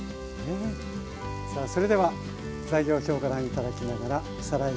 さあそれでは材料表ご覧頂きながらおさらいしましょう。